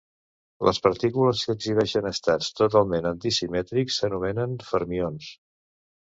Les partícules que exhibeixen estats totalment antisimètrics s'anomenen fermions.